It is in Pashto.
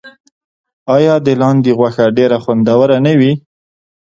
آیا د لاندي غوښه ډیره خوندوره نه وي؟